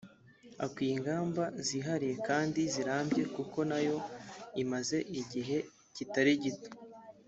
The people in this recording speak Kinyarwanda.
ikwiye ingamba zihariye kandi zirambye kuko nayo imaze igihe kitari gito